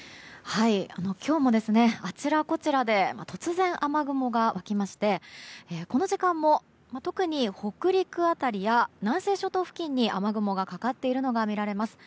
今日もあちらこちらで突然、雨雲が湧きましてこの時間も特に北陸辺りや南西諸島付近に雨雲がかかっているのが見られます。